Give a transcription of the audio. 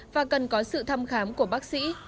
và cần có sự thăm khám của bác sĩ